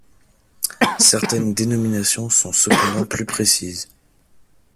Certaines dénominations sont cependant plus précises.